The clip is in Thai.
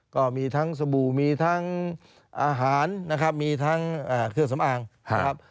ก็มีทั้งสบู่มีทั้งอาหารนะครับมีทั้งเครื่องสำอางนะครับ